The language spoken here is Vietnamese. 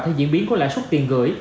thì diễn biến của lãi suất tiền gửi